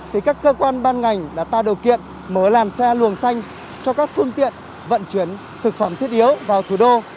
thì các cơ quan ban ngành đã tạo điều kiện mở làm xe luồng xanh cho các phương tiện vận chuyển thực phẩm thiết yếu vào thủ đô